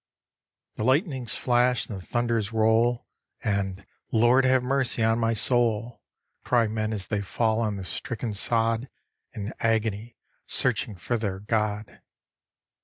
The lightnings flash and the thunders roll, And "Lord have mercy on my soul," Cry men as they fall on the stricken sod, In agony searching for their God.